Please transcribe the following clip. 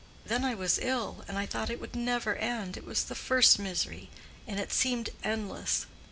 Then I was ill; and I thought it would never end—it was the first misery, and it seemed endless.